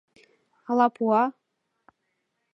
— Ала пуа.